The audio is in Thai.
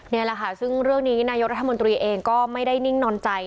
นี่แหละค่ะซึ่งเรื่องนี้นายกรัฐมนตรีเองก็ไม่ได้นิ่งนอนใจ